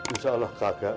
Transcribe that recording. insya allah kagak